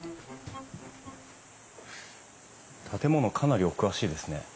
建物かなりお詳しいですね。